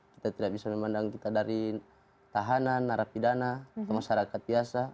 kita tidak bisa memandang kita dari tahanan narapidana ke masyarakat biasa